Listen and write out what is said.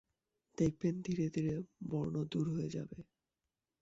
দেখবেন, ধীরে ধীরে ব্রণ দূর হয়ে যাবে।